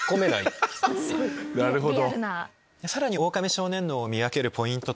なるほど。